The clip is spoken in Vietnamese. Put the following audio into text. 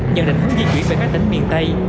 nhận định hướng di chuyển về các tỉnh miền tây